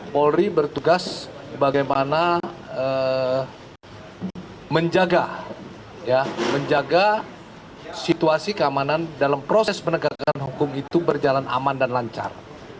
polri bertugas bagaimana menjaga situasi keamanan dalam proses penegakan hukum itu berjalan aman dan lancar